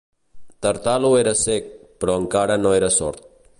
Tartalo era cec, però encara no era sord.